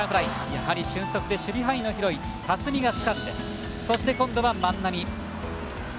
やはり俊足で守備範囲の広い辰己がつかんでそして、今度は万波。